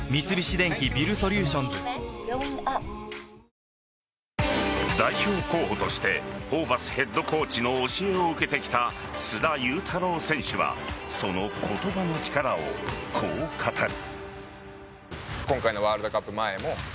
最高の渇きにＤＲＹ代表候補としてホーバスヘッドコーチの教えを受けてきた須田侑太郎選手はその言葉の力をこう語る。